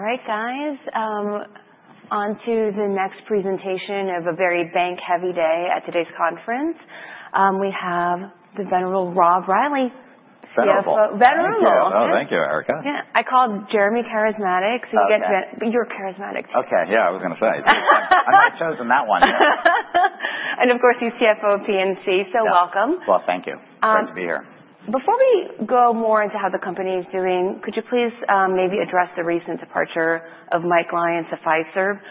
All right, guys, onto the next presentation of a very bank-heavy day at today's conference. We have the venerable Rob Reilly. Venerable. Venerable. Oh, thank you, Erica. Yeah, I called Jeremy charismatic, so you get to be, you're charismatic. Okay, yeah, I was going to say. I've never chosen that one. Of course, you're CFO of PNC, so welcome. Thank you. Great to be here. Before we go more into how the company is doing, could you please maybe address the recent departure of Mike Lyons of Fiserv?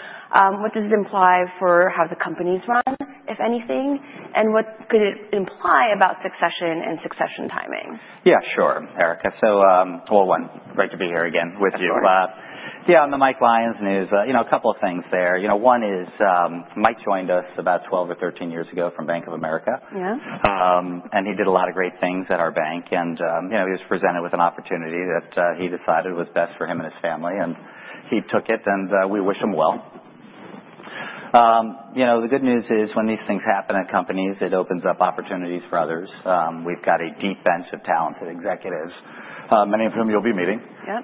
What does it imply for how the company's run, if anything? And what could it imply about succession and succession timing? Yeah, sure, Erica. So, well, one, great to be here again with you. Yeah, on the Mike Lyons news, you know, a couple of things there. You know, one is Mike joined us about 12 or 13 years ago from Bank of America. Yeah. He did a lot of great things at our bank. You know, he was presented with an opportunity that he decided was best for him and his family. He took it, and we wish him well. You know, the good news is when these things happen at companies, it opens up opportunities for others. We've got a deep bench of talented executives, many of whom you'll be meeting. Yep.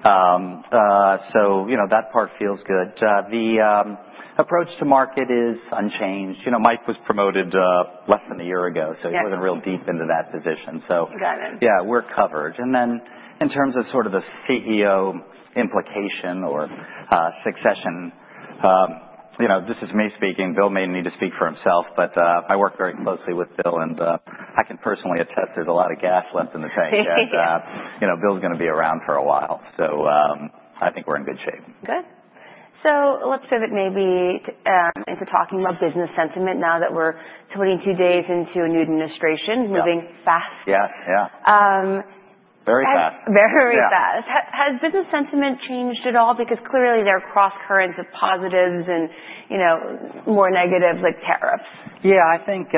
So, you know, that part feels good. The approach to market is unchanged. You know, Mike was promoted less than a year ago, so he wasn't real deep into that position. Got it. So, yeah, we're covered. And then in terms of sort of the CEO implication or succession, you know, this is me speaking. Bill may need to speak for himself, but I work very closely with Bill, and I can personally attest there's a lot of gas left in the tank. You know, Bill's going to be around for a while. So I think we're in good shape. Good. So let's pivot maybe into talking about business sentiment now that we're 22 days into a new administration, moving fast. Yes, yeah. Very fast. Very fast. Has business sentiment changed at all? Because clearly there are cross currents of positives and, you know, more negatives like tariffs. Yeah, I think,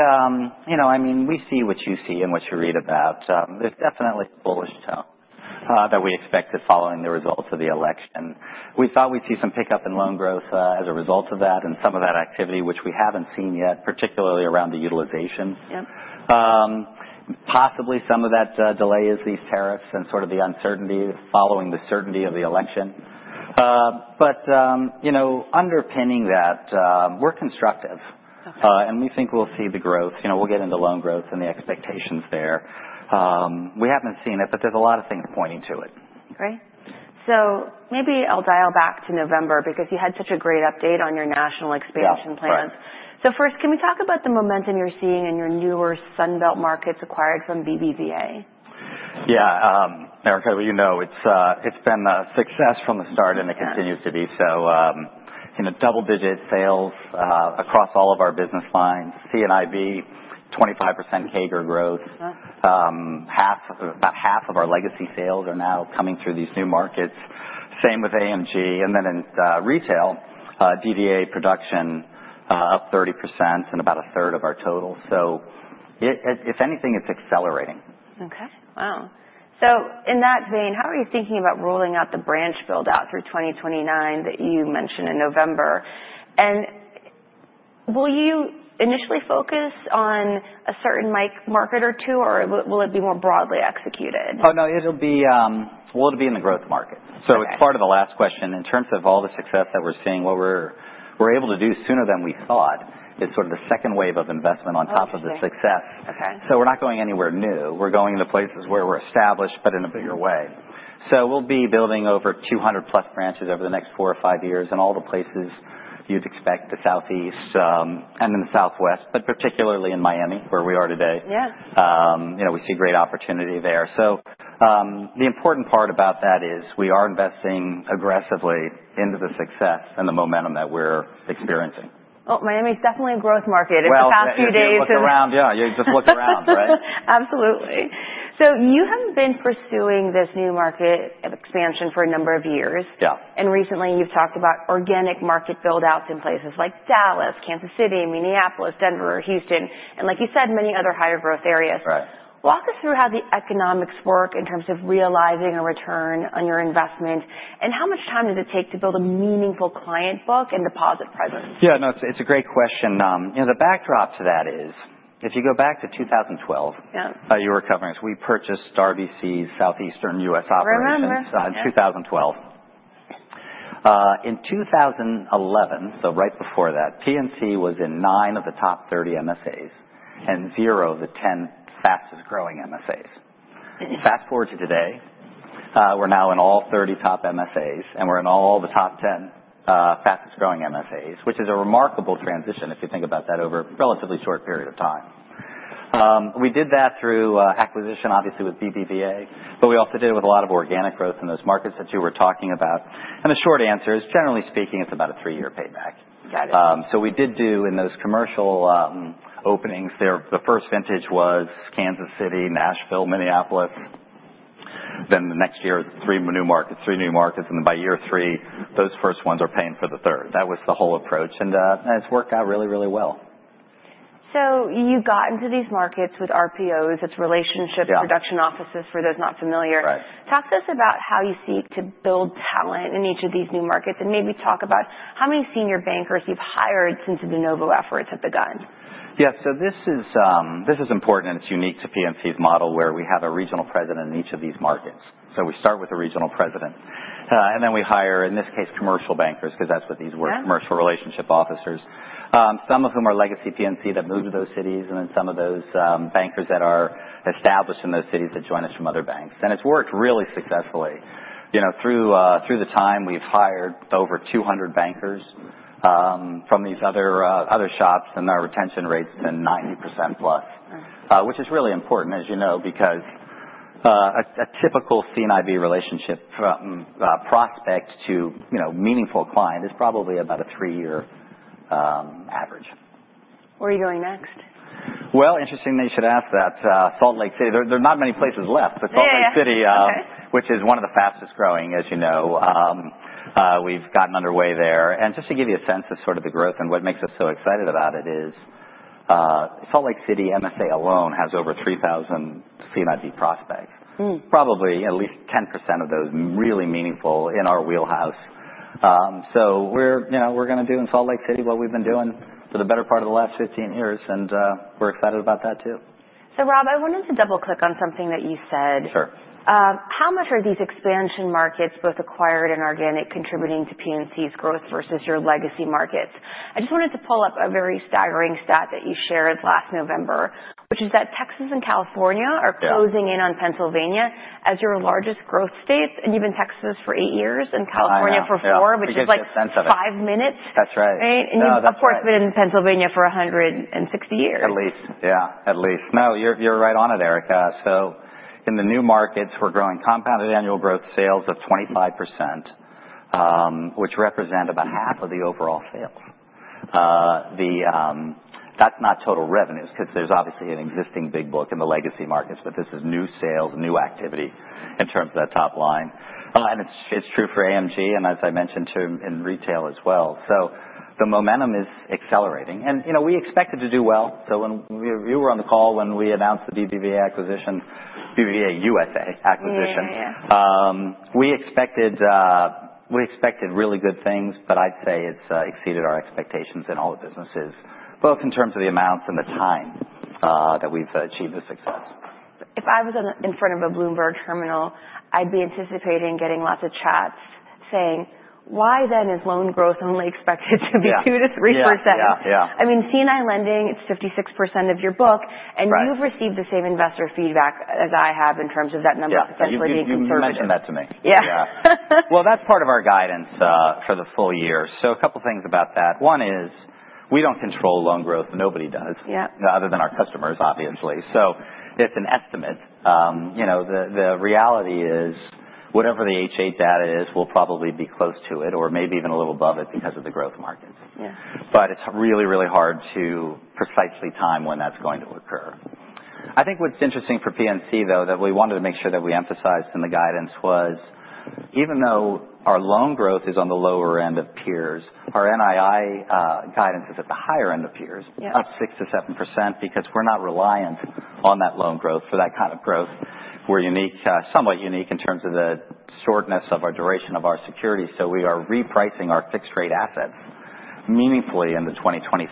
you know, I mean, we see what you see and what you read about. There's definitely a bullish tone that we expected following the results of the election. We thought we'd see some pickup in loan growth as a result of that and some of that activity, which we haven't seen yet, particularly around the utilization. Yep. Possibly some of that delay is these tariffs and sort of the uncertainty following the certainty of the election. But, you know, underpinning that, we're constructive. And we think we'll see the growth. You know, we'll get into loan growth and the expectations there. We haven't seen it, but there's a lot of things pointing to it. Great, so maybe I'll dial back to November because you had such a great update on your national expansion plans. Yes, yes. So first, can we talk about the momentum you're seeing in your newer Sunbelt markets acquired from BBVA? Yeah, Erica, you know, it's been a success from the start and it continues to be. You know, double-digit sales across all of our business lines. C&IB, 25% CAGR growth. Half, about half of our legacy sales are now coming through these new markets. Same with AMG. Then in retail, DDA production up 30% and about a third of our total. If anything, it's accelerating. Okay. Wow. So in that vein, how are you thinking about rolling out the branch buildout through 2029 that you mentioned in November? And will you initially focus on a certain market or two, or will it be more broadly executed? Oh, no, it'll be, well, it'll be in the growth market, so it's part of the last question. In terms of all the success that we're seeing, what we're able to do sooner than we thought is sort of the second wave of investment on top of the success. Okay. We're not going anywhere new. We're going to places where we're established, but in a bigger way. We'll be building over 200-plus branches over the next four or five years in all the places you'd expect, the Southeast and in the Southwest, but particularly in Miami, where we are today. Yeah. You know, we see great opportunity there. So the important part about that is we are investing aggressively into the success and the momentum that we're experiencing. Miami's definitely a growth market. Just look around. In the past few days. Yeah, just look around, right? Absolutely. So you have been pursuing this new market expansion for a number of years. Yeah. Recently you've talked about organic market buildouts in places like Dallas, Kansas City, Minneapolis, Denver, Houston, and like you said, many other higher growth areas. Right. Walk us through how the economics work in terms of realizing a return on your investment, and how much time does it take to build a meaningful client book and deposit presence? Yeah, no, it's a great question. You know, the backdrop to that is if you go back to 2012. Yeah. You were covering us. We purchased RBC's Southeastern U.S. operations. I remember. In 2012. In 2011, so right before that, PNC was in nine of the top 30 MSAs and zero of the 10 fastest growing MSAs. Fast forward to today, we're now in all 30 top MSAs, and we're in all the top 10 fastest growing MSAs, which is a remarkable transition if you think about that over a relatively short period of time. We did that through acquisition, obviously, with BBVA, but we also did it with a lot of organic growth in those markets that you were talking about. And the short answer is, generally speaking, it's about a three-year payback. Got it. So we did do in those commercial openings. The first vintage was Kansas City, Nashville, Minneapolis. Then the next year, three new markets, three new markets. And then by year three, those first ones are paying for the third. That was the whole approach, and it's worked out really, really well. So you got into these markets with RPOs. It's relationships. Yes. Production offices, for those not familiar. Right. Talk to us about how you seek to build talent in each of these new markets, and maybe talk about how many senior bankers you've hired since the de novo efforts have begun? Yeah, so this is important, and it's unique to PNC's model, where we have a regional president in each of these markets. So we start with the regional president, and then we hire, in this case, commercial bankers, because that's what these were, commercial relationship officers, some of whom are legacy PNC that moved to those cities, and then some of those bankers that are established in those cities that join us from other banks. And it's worked really successfully. You know, through the time, we've hired over 200 bankers from these other shops, and our retention rate's been 90% plus, which is really important, as you know, because a typical C&IB relationship prospect to, you know, meaningful client is probably about a three-year average. Where are you going next? Interesting that you should ask that. Salt Lake City, there are not many places left, but Salt Lake City, which is one of the fastest growing, as you know, we've gotten underway there. Just to give you a sense of sort of the growth and what makes us so excited about it is Salt Lake City MSA alone has over 3,000 C&IB prospects. Probably at least 10% of those really meaningful in our wheelhouse. We're, you know, we're going to do in Salt Lake City what we've been doing for the better part of the last 15 years, and we're excited about that too. So, Rob, I wanted to double-click on something that you said. Sure. How much are these expansion markets, both acquired and organic, contributing to PNC's growth versus your legacy markets? I just wanted to pull up a very staggering stat that you shared last November, which is that Texas and California are closing in on Pennsylvania as your largest growth states, and you've been Texas for eight years and California for four, which is like five minutes. That's right. Right? And you've, of course, been in Pennsylvania for 160 years. At least. Yeah, at least. No, you're right on it, Erica, so in the new markets, we're growing compound annual growth sales of 25%, which represent about half of the overall sales. That's not total revenues, because there's obviously an existing big book in the legacy markets, but this is new sales, new activity in terms of that top line, and it's true for AMG, and as I mentioned too, in retail as well, so the momentum is accelerating, and, you know, we expected to do well, so when you were on the call when we announced the BBVA acquisition, BBVA USA acquisition, we expected really good things, but I'd say it's exceeded our expectations in all the businesses, both in terms of the amounts and the time that we've achieved the success. If I was in front of a Bloomberg Terminal, I'd be anticipating getting lots of chats saying, "Why then is loan growth only expected to be 2%-3%? Yeah, yeah. I mean, C&I lending, it's 56% of your book. Right. You've received the same investor feedback as I have in terms of that number potentially being conservative. Yeah, you mentioned that to me. Yeah. Yeah. Well, that's part of our guidance for the full year. So a couple of things about that. One is we don't control loan growth, but nobody does. Yeah. Other than our customers, obviously. So it's an estimate. You know, the reality is whatever the H-8 data is, we'll probably be close to it or maybe even a little above it because of the growth markets. Yeah. But it's really, really hard to precisely time when that's going to occur. I think what's interesting for PNC, though, that we wanted to make sure that we emphasized in the guidance was even though our loan growth is on the lower end of peers, our NII guidance is at the higher end of peers. Yeah. Up 6%-7% because we're not reliant on that loan growth for that kind of growth. We're unique, somewhat unique in terms of the shortness of our duration of our security. So we are repricing our fixed-rate assets meaningfully into 2025.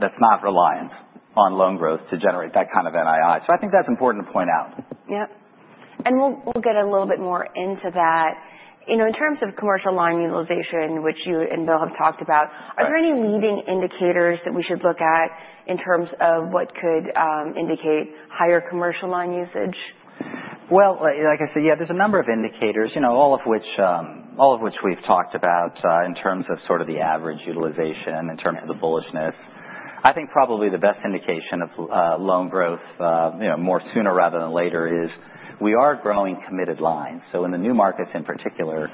That's not reliant on loan growth to generate that kind of NII. So I think that's important to point out. Yeah. And we'll get a little bit more into that. You know, in terms of commercial line utilization, which you and Bill have talked about, are there any leading indicators that we should look at in terms of what could indicate higher commercial line usage? Like I said, yeah, there's a number of indicators, you know, all of which we've talked about in terms of sort of the average utilization, in terms of the bullishness. I think probably the best indication of loan growth, you know, more sooner rather than later is we are growing committed lines. So in the new markets in particular,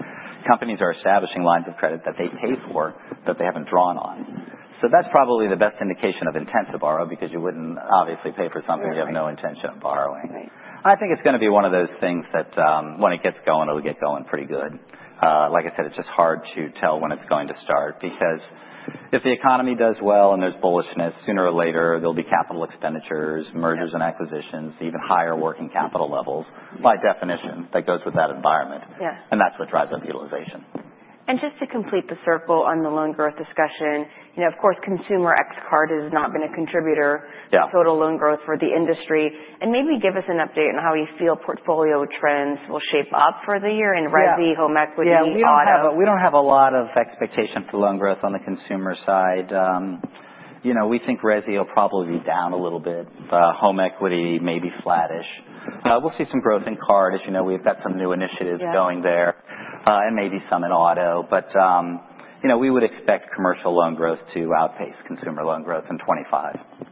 companies are establishing lines of credit that they pay for, but they haven't drawn on. So that's probably the best indication of intent to borrow, because you wouldn't obviously pay for something you have no intention of borrowing. Right. I think it's going to be one of those things that when it gets going, it'll get going pretty good. Like I said, it's just hard to tell when it's going to start, because if the economy does well and there's bullishness, sooner or later there'll be capital expenditures, mergers and acquisitions, even higher working capital levels by definition that goes with that environment. Yeah. That's what drives up utilization. Just to complete the circle on the loan growth discussion, you know, of course, consumer credit card is not going to contribute or. Yeah. Total loan growth for the industry. And maybe give us an update on how you feel portfolio trends will shape up for the year in resi, home equity, auto. Yeah, we don't have a lot of expectation for loan growth on the consumer side. You know, we think resi will probably be down a little bit. Home equity may be flattish. We'll see some growth in card, as you know, we've got some new initiatives going there. Yeah. Maybe some in auto. But, you know, we would expect commercial loan growth to outpace consumer loan growth in 2025.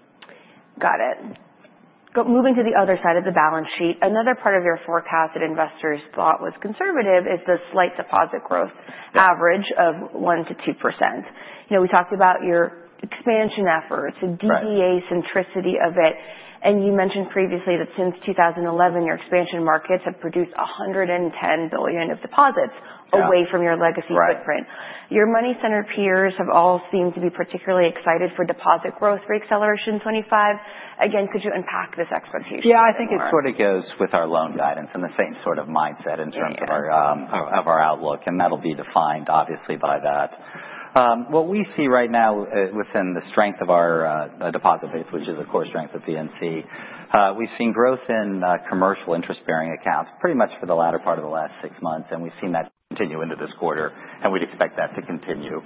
Got it. Moving to the other side of the balance sheet, another part of your forecast that investors thought was conservative is the slight deposit growth average of 1%-2%. You know, we talked about your expansion efforts, the DDA centricity of it. And you mentioned previously that since 2011, your expansion markets have produced $110 billion of deposits away from your legacy footprint. Right. Your money-centered peers have all seemed to be particularly excited for deposit growth for acceleration in 2025. Again, could you unpack this expectation? Yeah, I think it sort of goes with our loan guidance and the same sort of mindset in terms of our outlook. Yeah. And that'll be defined, obviously, by that. What we see right now within the strength of our deposit base, which is, of course, strength of PNC. We've seen growth in commercial interest-bearing accounts pretty much for the latter part of the last six months, and we've seen that continue into this quarter, and we'd expect that to continue.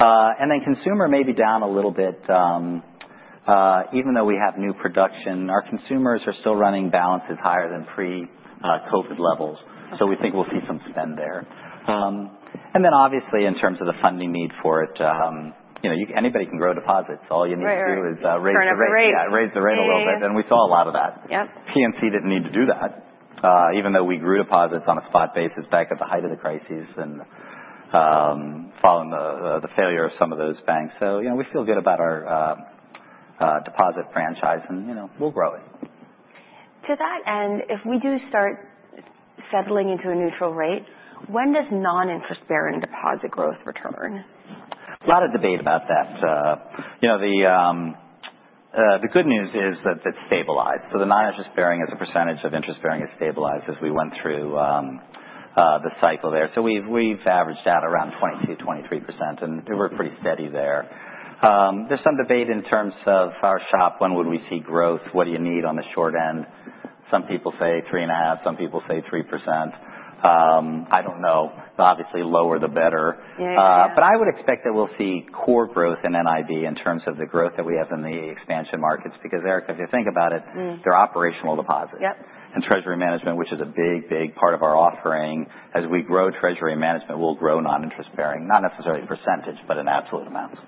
And then consumer may be down a little bit. Even though we have new production, our consumers are still running balances higher than pre-COVID levels. So we think we'll see some spend there. And then, obviously, in terms of the funding need for it, you know, anybody can grow deposits. All you need to do is raise the rate. Raise the rate. Yeah, raise the rate a little bit, and we saw a lot of that. Yep. PNC didn't need to do that, even though we grew deposits on a spot basis back at the height of the crises and following the failure of some of those banks, so, you know, we feel good about our deposit franchise, and, you know, we'll grow it. To that end, if we do start settling into a neutral rate, when does non-interest-bearing deposit growth return? A lot of debate about that. You know, the good news is that it's stabilized. So the non-interest-bearing as a percentage of interest-bearing has stabilized as we went through the cycle there. So we've averaged out around 22%, 23%, and we're pretty steady there. There's some debate in terms of our shop, when would we see growth? What do you need on the short end? Some people say 3.5%, some people say 3%. I don't know. Obviously, lower the better. Yeah, yeah. But I would expect that we'll see core growth in NII in terms of the growth that we have in the expansion markets, because, Erica, if you think about it, they're operational deposits. Yep. treasury management, which is a big, big part of our offering, as we grow treasury management, we'll grow non-interest-bearing, not necessarily percentage, but in absolute amounts.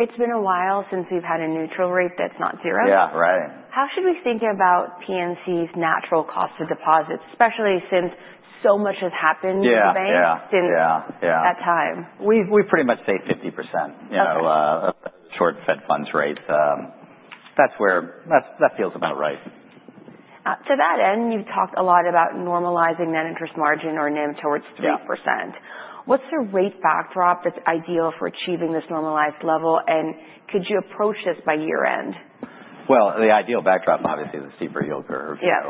It's been a while since we've had a neutral rate that's not zero. Yeah, right. How should we think about PNC's natural cost of deposits, especially since so much has happened in the bank? Yeah, yeah, yeah. Since that time. We pretty much stay 50%, you know, short Fed Funds Rate. That's where that feels about right. To that end, you've talked a lot about normalizing net interest margin or NIM towards 3%. Yeah. What's the rate backdrop that's ideal for achieving this normalized level, and could you approach this by year-end? The ideal backdrop, obviously, is a steeper yield curve. Yeah.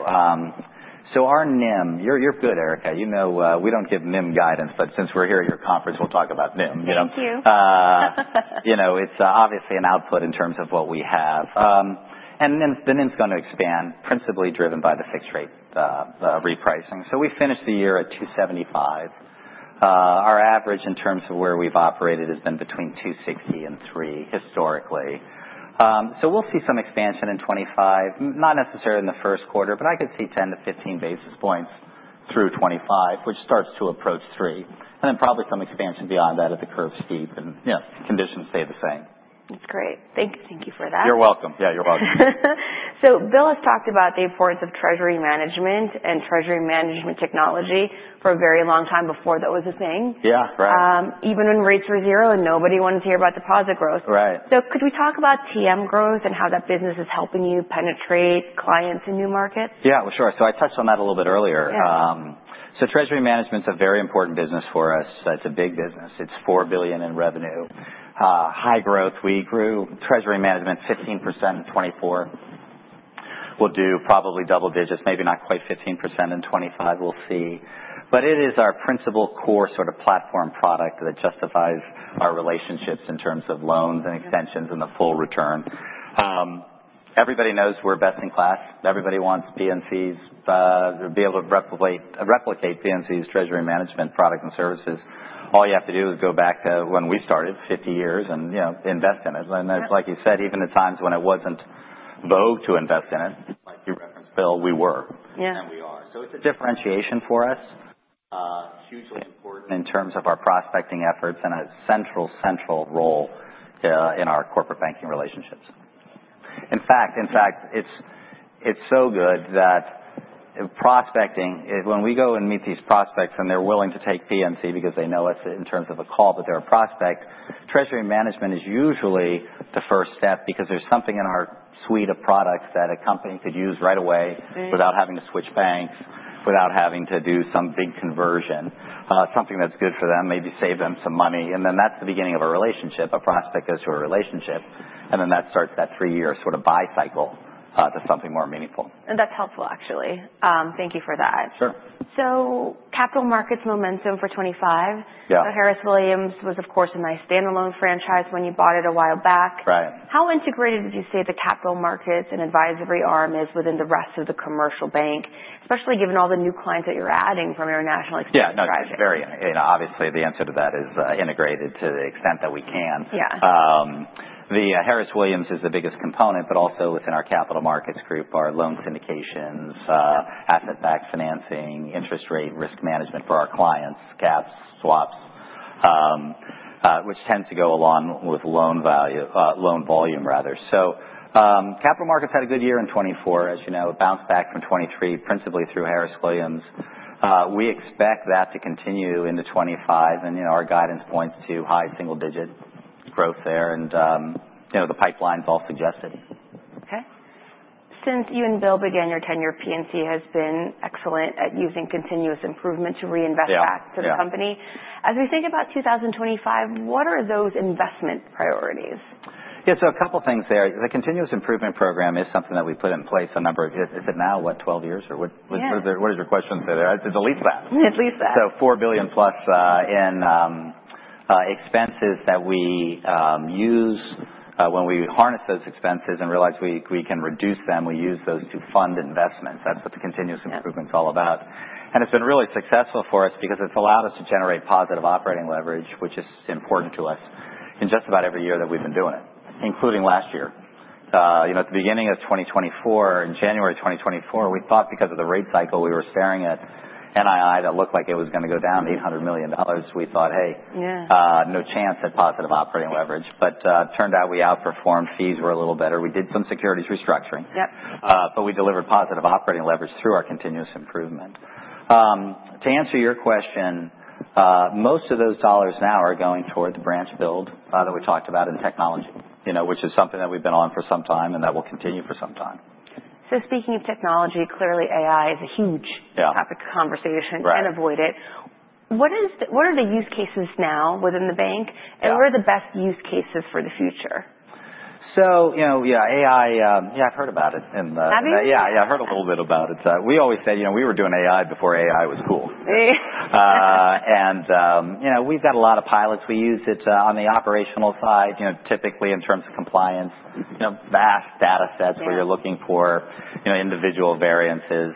So, our NIM, you're good, Erica. You know, we don't give NIM guidance, but since we're here at your conference, we'll talk about NIM, you know. Thank you. You know, it's obviously an output in terms of what we have. And then the NIM's going to expand, principally driven by the fixed-rate repricing. So we finished the year at 2.75. Our average in terms of where we've operated has been between 2.60 and 3.00 historically. So we'll see some expansion in 2025, not necessarily in the first quarter, but I could see 10 to 15 basis points through 2025, which starts to approach 3.00. And then probably some expansion beyond that if the curve's steep and, you know, conditions stay the same. That's great. Thank you for that. You're welcome. Yeah, you're welcome. Bill has talked about the importance of treasury management and treasury management technology for a very long time before that was a thing. Yeah, right. Even when rates were zero and nobody wanted to hear about deposit growth. Right. So could we talk about TM growth and how that business is helping you penetrate clients in new markets? Yeah, well, sure. So I touched on that a little bit earlier. Yeah. treasury management's a very important business for us. It's a big business. It's $4 billion in revenue. High growth. We grew treasury management 15% in 2024. We'll do probably double digits, maybe not quite 15% in 2025. We'll see. But it is our principal, core sort of platform product that justifies our relationships in terms of loans and extensions and the full return. Everybody knows we're best in class. Everybody wants PNC's to be able to replicate PNC's treasury management products and services. All you have to do is go back to when we started 50 years and, you know, invest in it. It's, like you said, even at times when it wasn't vogue to invest in it, like you referenced, Bill, we were. Yeah. And we are. So it's a differentiation for us, hugely important in terms of our prospecting efforts and a central role in our corporate banking relationships. In fact, it's so good that prospecting, when we go and meet these prospects and they're willing to take PNC because they know us in terms of a call, but they're a prospect, treasury management is usually the first step because there's something in our suite of products that a company could use right away without having to switch banks, without having to do some big conversion, something that's good for them, maybe save them some money. And then that's the beginning of a relationship. A prospect goes to a relationship, and then that starts that three-year sort of buy cycle to something more meaningful. And that's helpful, actually. Thank you for that. Sure. So, capital markets momentum for 2025. Yeah. Harris Williams was, of course, a nice standalone franchise when you bought it a while back. Right. How integrated would you say the capital markets and advisory arm is within the rest of the commercial bank, especially given all the new clients that you're adding from international expenditures? Yeah, no, it's very, you know, obviously the answer to that is integrated to the extent that we can. Yeah. The Harris Williams is the biggest component, but also within our capital markets group, our loan syndications, asset-backed financing, interest rate risk management for our clients, caps, swaps, which tends to go along with loan value, loan volume rather. Capital markets had a good year in 2024, as you know, bounced back from 2023 principally through Harris Williams. We expect that to continue into 2025. Our guidance points to high single-digit growth there. You know, the pipeline also suggests. Okay. Since you and Bill began your tenure, PNC has been excellent at using continuous improvement to reinvest back to the company. Yeah. As we think about 2025, what are those investment priorities? Yeah, so a couple of things there. The continuous improvement program is something that we put in place a number of, is it now, what, 12 years or what? Yeah. What is your question? Say there. It's at least that. At least that. So $4 billion plus in expenses that we use when we harness those expenses and realize we can reduce them, we use those to fund investments. That's what the continuous improvement's all about. And it's been really successful for us because it's allowed us to generate positive operating leverage, which is important to us in just about every year that we've been doing it, including last year. You know, at the beginning of 2024, in January 2024, we thought because of the rate cycle we were staring at NII that looked like it was going to go down $800 million, we thought, hey. Yeah. No chance at positive operating leverage, but it turned out we outperformed. Fees were a little better. We did some securities restructuring. Yep. But we delivered positive operating leverage through our continuous improvement. To answer your question, most of those dollars now are going toward the branch build that we talked about in technology, you know, which is something that we've been on for some time and that will continue for some time. Speaking of technology, clearly AI is a huge. Yeah. Topic of conversation. Right. And avoid it. What are the use cases now within the bank, and what are the best use cases for the future? So, you know, yeah, AI, yeah, I've heard about it. Have you? Yeah, yeah, I've heard a little bit about it. We always say, you know, we were doing AI before AI was cool. Yeah. And, you know, we've got a lot of pilots. We use it on the operational side, you know, typically in terms of compliance, you know, vast data sets where you're looking for, you know, individual variances.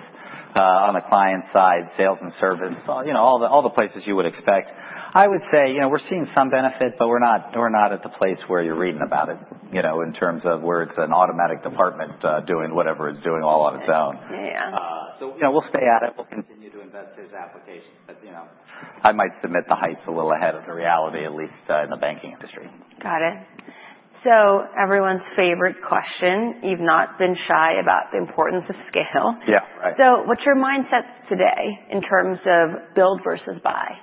On the client side, sales and service, you know, all the places you would expect. I would say, you know, we're seeing some benefit, but we're not at the place where you're reading about it, you know, in terms of where it's an automatic department doing whatever it's doing all on its own. Yeah. You know, we'll stay at it. We'll continue to invest in applications, but, you know, I might succumb to the hype a little ahead of the reality, at least in the banking industry. Got it. So everyone's favorite question. You've not been shy about the importance of scale. Yeah, right. So what's your mindset today in terms of build versus buy?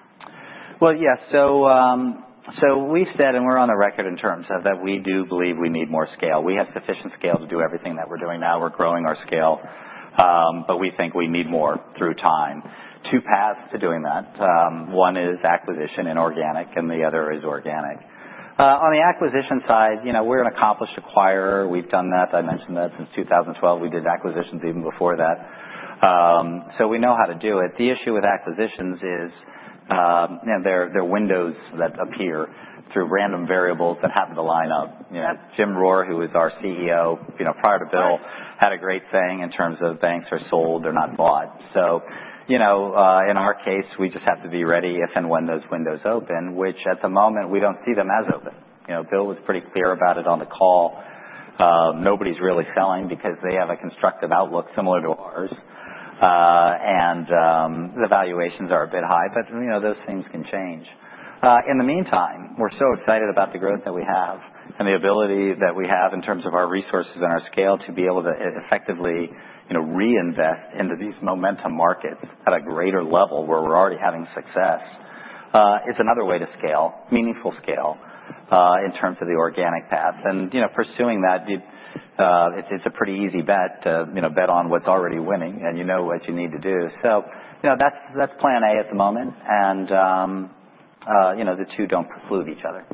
Well, yes. So we've said, and we're on the record in terms of that we do believe we need more scale. We have sufficient scale to do everything that we're doing now. We're growing our scale, but we think we need more through time. Two paths to doing that. One is acquisition and organic, and the other is organic. On the acquisition side, you know, we're an accomplished acquirer. We've done that. I mentioned that since 2012. We did acquisitions even before that. So we know how to do it. The issue with acquisitions is, you know, there are windows that appear through random variables that happen to line up. You know, Jim Rohr, who is our CEO, you know, prior to Bill, had a great saying in terms of banks are sold, they're not bought. You know, in our case, we just have to be ready if and when those windows open, which at the moment we don't see them as open. You know, Bill was pretty clear about it on the call. Nobody's really selling because they have a constructive outlook similar to ours. And the valuations are a bit high, but, you know, those things can change. In the meantime, we're so excited about the growth that we have and the ability that we have in terms of our resources and our scale to be able to effectively, you know, reinvest into these momentum markets at a greater level where we're already having success. It's another way to scale, meaningful scale in terms of the organic path. And, you know, pursuing that, it's a pretty easy bet to, you know, bet on what's already winning and you know what you need to do. So, you know, that's plan A at the moment. And, you know, the two don't preclude each other.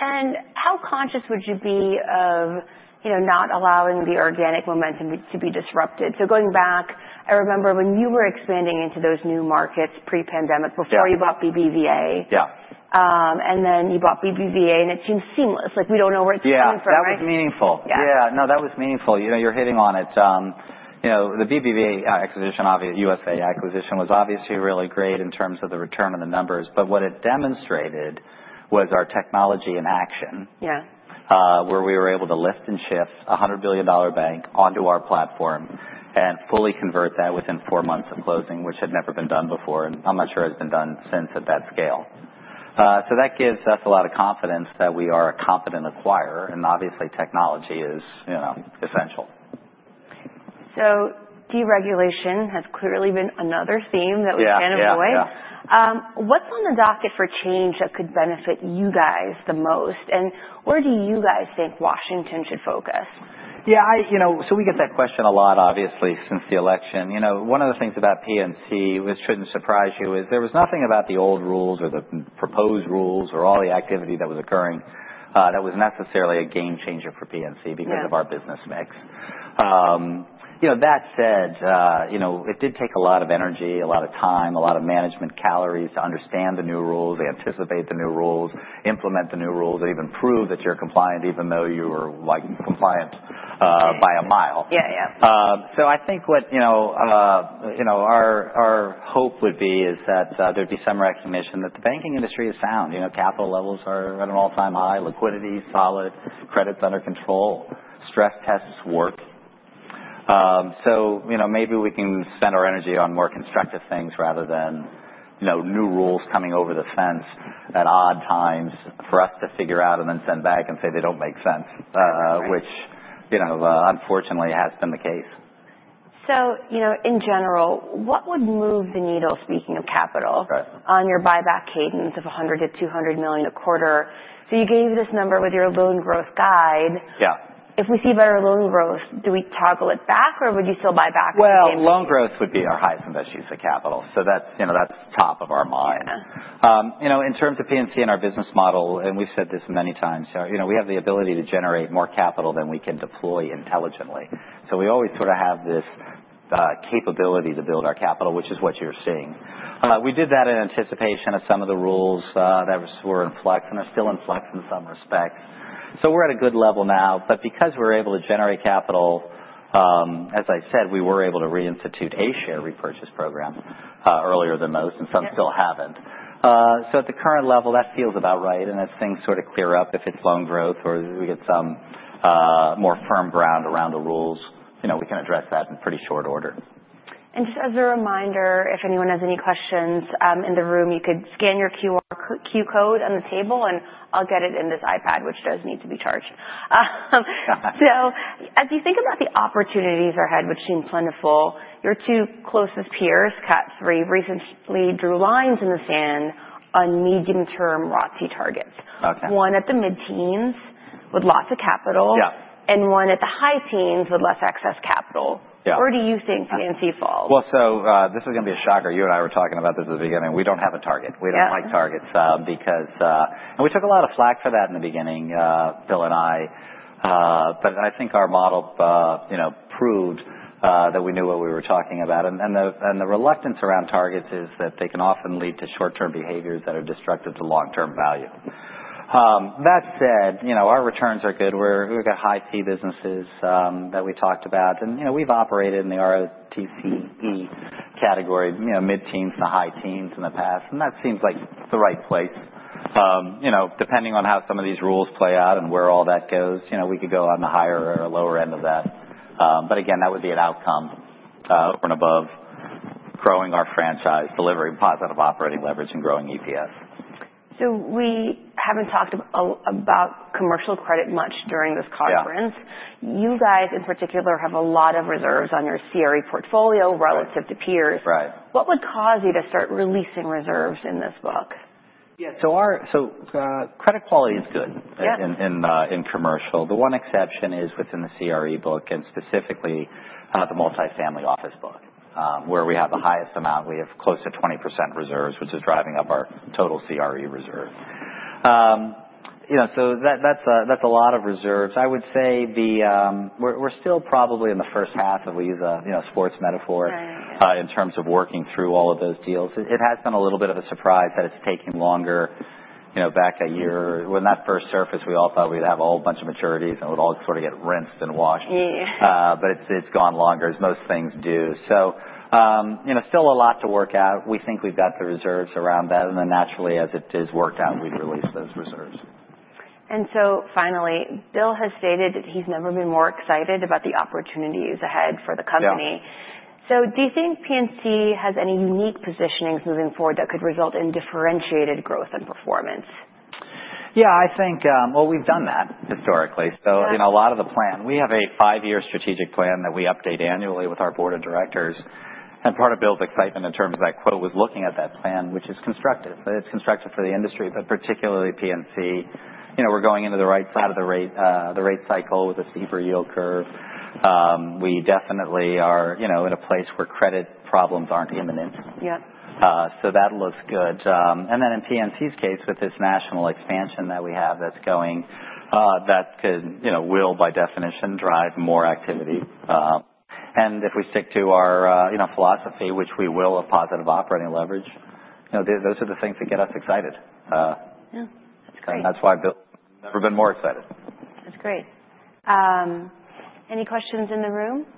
And how conscious would you be of, you know, not allowing the organic momentum to be disrupted? So going back, I remember when you were expanding into those new markets pre-pandemic. Yeah. Before you bought BBVA. Yeah. And then you bought BBVA, and it seemed seamless. Like, we don't know where it's coming from. Yeah, that was meaningful. Yeah. Yeah, no, that was meaningful. You know, you're hitting on it. You know, the BBVA USA acquisition was obviously really great in terms of the return on the numbers. But what it demonstrated was our technology in action. Yeah. Where we were able to lift and shift a $100 billion bank onto our platform and fully convert that within four months of closing, which had never been done before, and I'm not sure it's been done since at that scale, so that gives us a lot of confidence that we are a competent acquirer, and obviously, technology is, you know, essential. Deregulation has clearly been another theme that we can't avoid. Yeah, yeah. What's on the docket for change that could benefit you guys the most? And where do you guys think Washington should focus? Yeah, I, you know, so we get that question a lot, obviously, since the election. You know, one of the things about PNC, which shouldn't surprise you, is there was nothing about the old rules or the proposed rules or all the activity that was occurring that was necessarily a game changer for PNC because of our business mix. You know, that said, you know, it did take a lot of energy, a lot of time, a lot of management calories to understand the new rules, anticipate the new rules, implement the new rules, and even prove that you're compliant even though you were like compliant by a mile. Yeah, yeah. So I think, you know, our hope would be is that there'd be some recognition that the banking industry is sound. You know, capital levels are at an all-time high, liquidity solid, credits under control, stress tests work. So, you know, maybe we can spend our energy on more constructive things rather than, you know, new rules coming over the fence at odd times for us to figure out and then send back and say they don't make sense, which, you know, unfortunately has been the case. You know, in general, what would move the needle, speaking of capital, on your buyback cadence of $100 million-$200 million a quarter? You gave this number with your loan growth guide. Yeah. If we see better loan growth, do we toggle it back or would you still buy back? Loan growth would be our highest invested use of capital. That's, you know, top of our mind. Yeah. You know, in terms of PNC and our business model, and we've said this many times, you know, we have the ability to generate more capital than we can deploy intelligently. So we always sort of have this capability to build our capital, which is what you're seeing. We did that in anticipation of some of the rules that were in flux and are still in flux in some respects. So we're at a good level now. But because we're able to generate capital, as I said, we were able to reinstitute a share repurchase program earlier than most, and some still haven't. So at the current level, that feels about right. And as things sort of clear up, if it's loan growth or we get some more firm ground around the rules, you know, we can address that in pretty short order. Just as a reminder, if anyone has any questions in the room, you could scan your QR code on the table, and I'll get it in this iPad, which does need to be charged. As you think about the opportunities ahead, which seem plentiful, your two closest peers, Cat 3, recently drew lines in the sand on medium-term ROTCE targets. Okay. One at the mid-teens with lots of capital. Yeah. One at the high-teens with less excess capital. Yeah. Where do you think PNC falls? This is going to be a shocker. You and I were talking about this at the beginning. We don't have a target. We don't like targets because, and we took a lot of flak for that in the beginning, Bill and I. I think our model, you know, proved that we knew what we were talking about. The reluctance around targets is that they can often lead to short-term behaviors that are destructive to long-term value. That said, you know, our returns are good. We've got high-teen businesses that we talked about. You know, we've operated in the ROTCE category, you know, mid-teens to high-teens in the past. That seems like the right place. You know, depending on how some of these rules play out and where all that goes, you know, we could go on the higher or lower end of that. But again, that would be an outcome up and above growing our franchise, delivering positive operating leverage, and growing EPS. We haven't talked about commercial credit much during this conference. Yeah. You guys in particular have a lot of reserves on your CRE portfolio relative to peers. Right. What would cause you to start releasing reserves in this book? Yeah, so our credit quality is good. Yeah. In commercial. The one exception is within the CRE book and specifically the multifamily office book where we have the highest amount. We have close to 20% reserves, which is driving up our total CRE reserve. You know, so that's a lot of reserves. I would say, we're still probably in the first half of, we use a, you know, sports metaphor. Right. In terms of working through all of those deals. It has been a little bit of a surprise that it's taking longer, you know, back a year. When that first surfaced, we all thought we'd have a whole bunch of maturities and it would all sort of get rinsed and washed. Yeah. But it's gone longer as most things do. So, you know, still a lot to work out. We think we've got the reserves around that. And then naturally, as it is worked out, we'd release those reserves. Finally, Bill has stated that he's never been more excited about the opportunities ahead for the company. Yeah. So do you think PNC has any unique positionings moving forward that could result in differentiated growth and performance? Yeah, I think, well, we've done that historically, so you know, a lot of the plan, we have a five-year strategic plan that we update annually with our board of directors, and part of Bill's excitement in terms of that quote was looking at that plan, which is constructive. It's constructive for the industry, but particularly PNC. You know, we're going into the right side of the rate cycle with a steeper yield curve. We definitely are, you know, in a place where credit problems aren't imminent. Yep. That looks good. Then in PNC's case, with this national expansion that we have that's going, that could, you know, will by definition drive more activity. If we stick to our, you know, philosophy, which we will have positive operating leverage, you know, those are the things that get us excited. Yeah. That's great. That's why Bill has never been more excited. That's great. Any questions in the room?